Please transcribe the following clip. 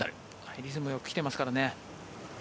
リズムよく来ていますからね。